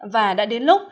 và đã đến lúc